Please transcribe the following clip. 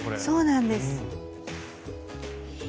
そうなんです。